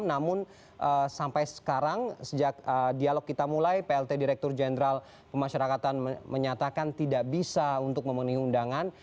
namun sampai sekarang sejak dialog kita mulai plt direktur jenderal pemasyarakatan menyatakan tidak bisa untuk memenuhi undangan